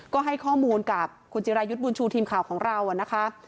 ก็ให้ข้อมูลกับคุณจิรายุทธ์บุญชูทีมข่าวของเรานะคะ